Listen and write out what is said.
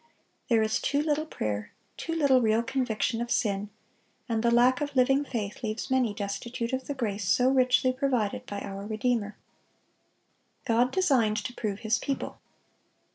There is too little prayer, too little real conviction of sin, and the lack of living faith leaves many destitute of the grace so richly provided by our Redeemer. God designed to prove His people.